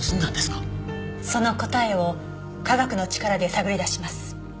その答えを科学の力で探り出します。